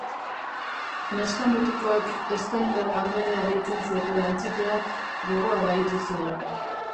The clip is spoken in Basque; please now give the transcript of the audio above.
Neska-mutikoek Steinberg anderea deitzen ziotela entzuteak gogoa bahitu zion.